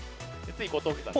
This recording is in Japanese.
次小峠さん。